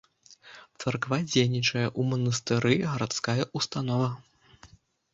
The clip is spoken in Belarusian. Царква дзейнічае, у манастыры гарадская ўстанова.